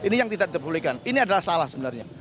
ini yang tidak diperbolehkan ini adalah salah sebenarnya